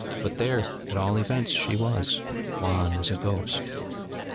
But there, at all events, she was, wan as a ghost.